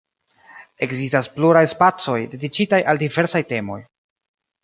Ekzistas pluraj spacoj, dediĉitaj al diversaj temoj.